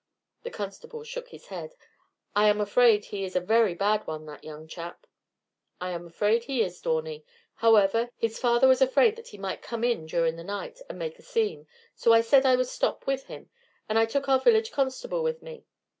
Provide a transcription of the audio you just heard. The constable shook his head. "I am afraid he is a very bad one, that young chap." "I am afraid he is, Dawney. However, his father was afraid that he might come in during the night and make a scene, so I said I would stop with him, and I took our village constable with me.